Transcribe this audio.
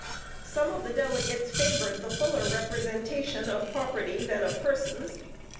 Some of the delegates favored the fuller representation of property than of persons.